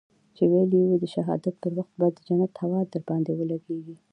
چې ويلي يې وو د شهادت پر وخت به د جنت هوا درباندې ولګېږي.